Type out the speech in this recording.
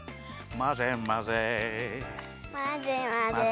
まぜまぜ！